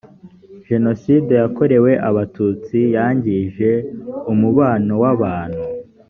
jenoside yakorewe abatutsi yangije umubano wabantu.